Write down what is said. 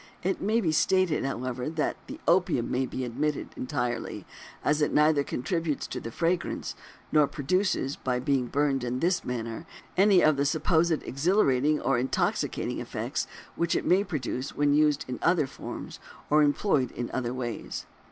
It may be stated, however, that the opium may be omitted entirely, as it neither contributes to the fragrance, nor produces, by being burned in this manner, any of the supposed exhilarating or intoxicating effects which it may produce when used in other forms or employed in other ways.